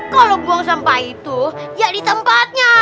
kalau buang sampah itu ya di tempatnya